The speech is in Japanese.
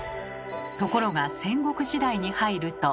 ところが戦国時代に入ると。